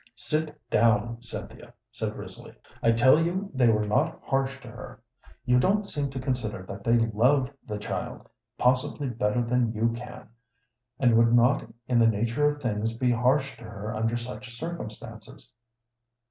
"Sit down, Cynthia," said Risley. "I tell you they were not harsh to her. You don't seem to consider that they love the child possibly better than you can and would not in the nature of things be harsh to her under such circumstances.